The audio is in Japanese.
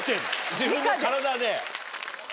自分の体で？